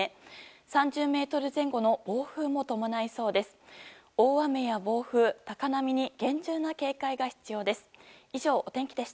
３０メートル前後の暴風も伴いそうです。